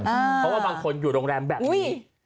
เพราะว่าบางคนอยู่โรงแรมแบบนี้